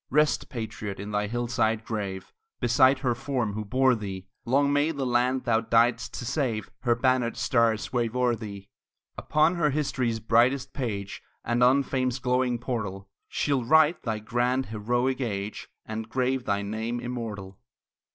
Rest, patriot, in thy hillside grave, Beside her form who bore thee! Long may the land thou diedst to save Her bannered stars wave o'er thee! Upon her history's brightest page, And on fame's glowing portal, She'll write thy grand, heroic age, And grave thy name immortal.